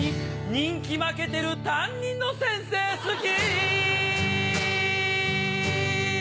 人気負けてる担任の先生好き